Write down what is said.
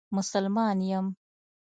مسلمان یم.